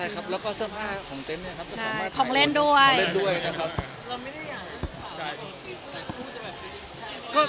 แล้วก็เสื้อผ้าของเต็นต์เนี่ยครับ